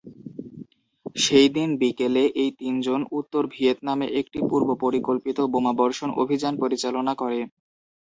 সেই দিন বিকেলে, এই তিনজন উত্তর ভিয়েতনামে একটি পূর্বপরিকল্পিত বোমাবর্ষণ অভিযান পরিচালনা করে।